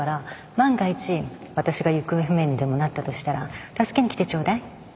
万が一私が行方不明にでもなったとしたら助けに来てちょうだいあっ。